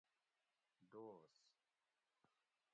دوس